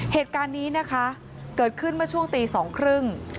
เหตุการณ์นี้นะคะเกิดขึ้นเมื่อช่วงตีสองครึ่ง